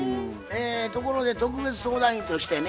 ところで特別相談員としてね